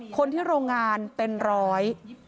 คนที่โรงงานเป็นร้อย